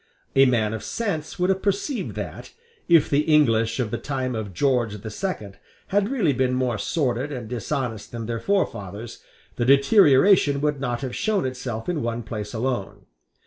A man of sense would have perceived that, if the English of the time of George the Second had really been more sordid and dishonest than their forefathers, the deterioration would not have shown itself in one place alone.